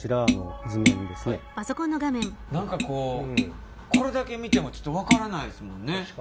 何かこうこれだけ見てもちょっと分からないですもんね。